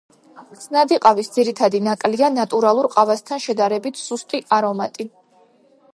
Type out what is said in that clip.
ხსნადი ყავის ძირითადი ნაკლია ნატურალურ ყავასთან შედარებით სუსტი არომატი.